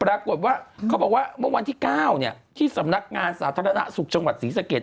ปรากฏว่าเขาบอกว่าเมื่อวันที่๙ที่สำนักงานสาธารณสุขจังหวัดศรีสะเกด